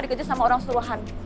dikejar sama orang seteruhan